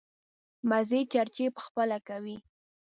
مزې چړچې په خپله کوي.